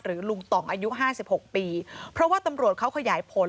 หรือลุงต่ออายุ๕๖ปีเพราะว่าตำรวจเขาขยายผล